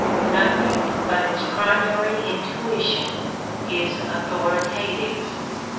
Nothing but its primary intuition is authoritative.